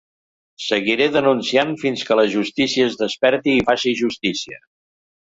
Seguiré denunciant fins que la justícia es desperti i faci justícia!